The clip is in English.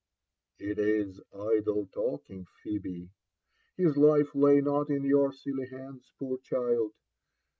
" It is idle talking, Phehe, — bis life lay not in your silly haoda, poor child.